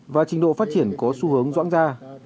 và trình độ phát triển có xu hướng doãn ra